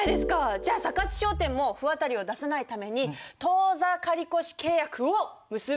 じゃあさかっち商店も不渡りを出さないために当座借越契約を結びに行こうじゃありませんか！